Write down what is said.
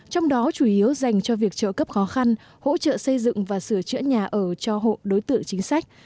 trong đó chủ yếu dành cho việc trợ cấp khó khăn hỗ trợ xây dựng và sửa chữa nhà ở cho hộ đối tượng chính sách